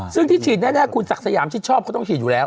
ซึ่งที่ฉีดแน่คุณศักดิ์สยามชิดชอบเขาต้องฉีดอยู่แล้ว